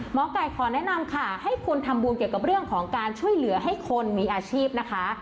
หมอไก่ขอแนะนำค่ะให้คุณทำบุญเกี่ยวกับเรื่องของการช่วยเหลือให้คนมีอาชีพนะคะ